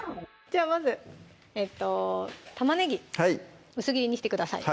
じゃあまず玉ねぎ薄切りにしてください